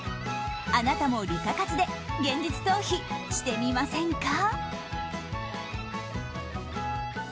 あなたもリカ活で現実逃避してみませんか？